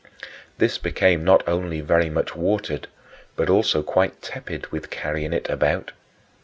This became not only very much watered but also quite tepid with carrying it about.